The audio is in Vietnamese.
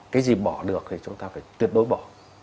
cái gì bỏ được thì chúng ta phải tuyệt đối bỏ